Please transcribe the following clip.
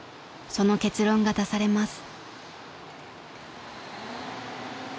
［その結論が出されます］